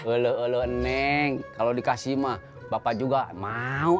ulu ulu neng kalo dikasih mah bapak juga mau